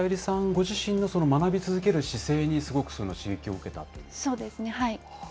ご自身の学び続ける姿勢に、すごく刺激を受けそうですね。